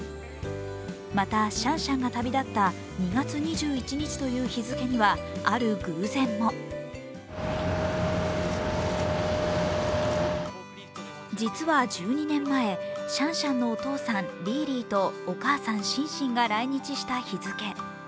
また、シャンシャンが旅立った２月２１日という日付にはある偶然も実は１２年前、シャンシャンのお父さん・リーリーとお母さん・シンシンが来日した日付。